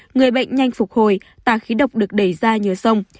người bệnh nhanh phục hồi tà khí độc được đẩy ra nhờ sông